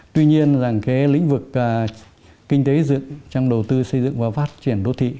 tuy nhiên lĩnh vực kinh tế dựng trong đầu tư xây dựng và phát triển đô thị